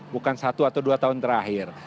bukan satu atau dua tahun terakhir